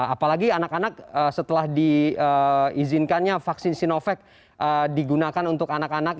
apalagi anak anak setelah diizinkannya vaksin sinovac digunakan untuk anak anak